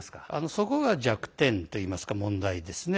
そこが弱点といいますか問題ですね。